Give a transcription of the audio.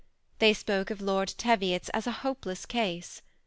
Tbey all spoke of Ixird Teviot's as a hopeless case.